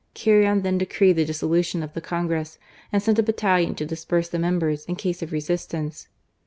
Carrion then decreed the dissolution of the Congress, and sent a battalion to disperse the members in case of resistance.